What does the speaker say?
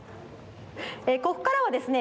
ここからはですね